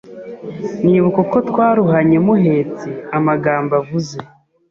nibuka uko twaruhanye muhetse, amagambo avuze,